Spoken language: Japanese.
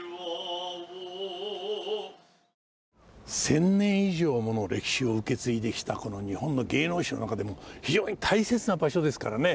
１，０００年以上もの歴史を受け継いできたこの日本の芸能史の中でも非常に大切な場所ですからね。